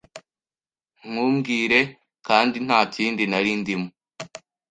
nkubwire, kandi ntakindi. Nari ndimo